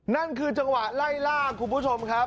นั่นคือจังหวะไล่ล่าคุณผู้ชมครับ